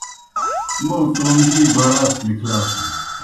موْ توموْ ہِی بھڑاس نِکھلاسُن۔